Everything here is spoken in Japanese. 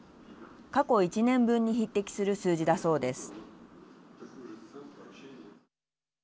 過去１年分に匹敵する数字だそうです。